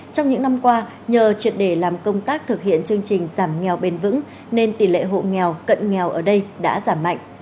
trong những năm qua nhờ truyệt để làm công tác thực hiện chương trình giảm nghèo bền vững nên tỷ lệ hộ nghèo cận nghèo ở đây đã giảm mạnh